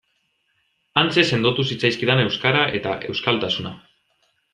Hantxe sendotu zitzaizkidan euskara eta euskaltasuna.